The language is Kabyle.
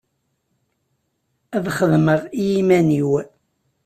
Ad xedmeɣ i iman-iw.